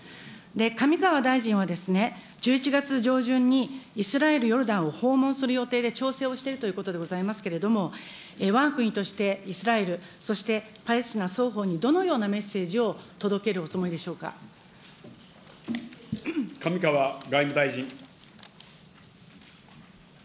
上川大臣は、１１月上旬にイスラエル、ヨルダンを訪問する予定で調整をしているということでございますけれども、わが国としてイスラエル、そしてパレスチナ双方にどのようなメッセージを届けるおつもりで上川外務大臣。